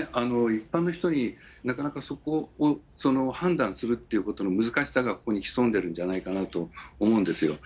一般の人に、なかなかそこを判断するっていうことの難しさがここに潜んでるんじゃないかなと思うんですよ。